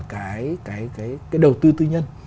cái đầu tư tư nhân